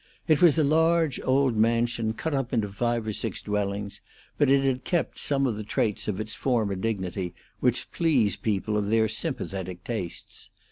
It was a large, old mansion cut up into five or six dwellings, but it had kept some traits of its former dignity, which pleased people of their sympathetic tastes.